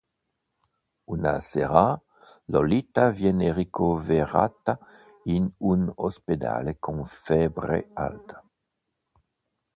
Una sera Lolita viene ricoverata in un ospedale con febbre alta.